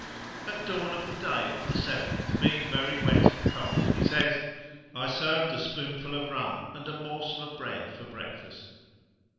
At dawn of day on the 7th, being very wet and cold, he says, 'I served a spoonful of rum and a morsel of bread for breakfast.'